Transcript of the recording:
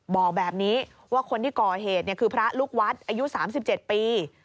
บอกแบบนี้ว่าคนที่ก่อเหตุคือพระลูกวัดอายุ๓๗ปี